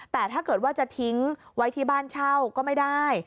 แต่ถ้าเกิดว่าจะทิ้งไว้ที่บ้านเช่าก็ไม่ได้